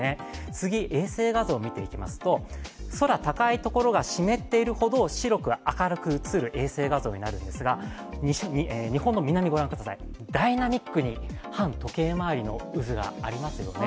次、衛星画像を見てみますと、空高いところが湿っているほど白く明るく映る衛星画像になるんですが日本の南、ダイナミックに反時計回りの渦がありますよね。